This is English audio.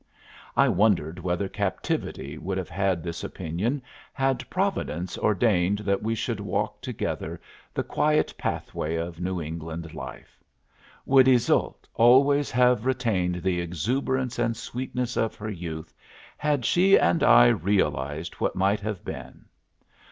I wonder whether Captivity would have had this opinion, had Providence ordained that we should walk together the quiet pathway of New England life; would Yseult always have retained the exuberance and sweetness of her youth, had she and I realized what might have been?